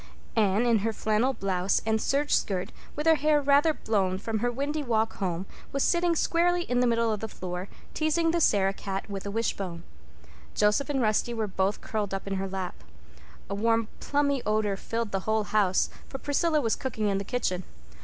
Anne, in her flannel blouse and serge skirt, with her hair rather blown from her windy walk home, was sitting squarely in the middle of the floor, teasing the Sarah cat with a wishbone. Joseph and Rusty were both curled up in her lap. A warm plummy odor filled the whole house, for Priscilla was cooking in the kitchen.